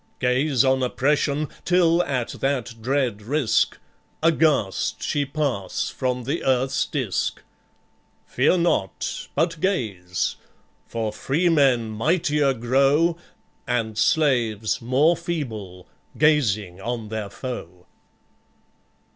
Gaze on oppression, till at that dread risk, Aghast she pass from the earth's disk. Fear not, but gaze, for freemen mightier grow, And slaves more feeble, gazing on their foe."